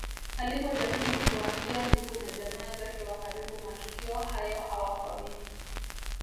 Alipojaribu kuwaambia ndugu na jamaa zake wa karibu matukio hayo hawakuamini